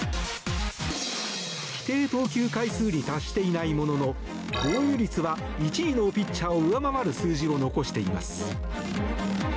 規定投球回数に達していないものの防御率は１位のピッチャーを上回る数字を残しています。